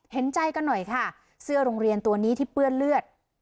เห็นใจกันหน่อยค่ะเสื้อโรงเรียนตัวนี้ที่เปื้อนเลือด